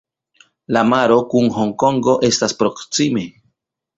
La maro kun Honkongo estas proksime.